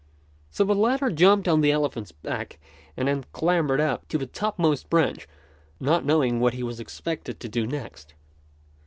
So the latter jumped on the elephant's back and then clambered up to the topmost branch, not knowing what he was expected to do next.